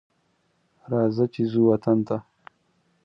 راځه چې ځو وطن ته